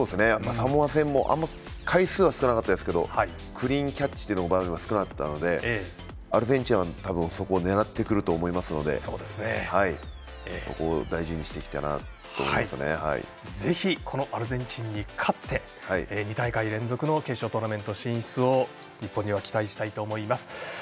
サモア戦も回数は少なかったですがクリーンキャッチっていうのが少なかったので、アルゼンチンはそこを狙ってくると思いますのでこのアルゼンチンに勝って２回大会連続の決勝トーナメント進出を日本には期待したいと思います。